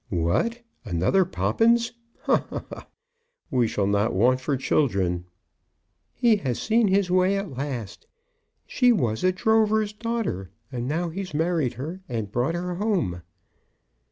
"What! another Poppins! Ha! ha! ha! We shall not want for children." "He has seen his way at last. She was a drover's daughter; and now he's married her and brought her home."